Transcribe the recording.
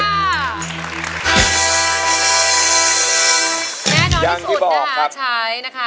แน่นอนที่สุดนะคะใช้นะคะ